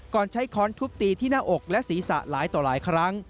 ใช้ค้อนทุบตีที่หน้าอกและศีรษะหลายต่อหลายครั้ง